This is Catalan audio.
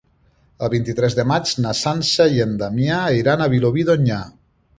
El vint-i-tres de maig na Sança i en Damià iran a Vilobí d'Onyar.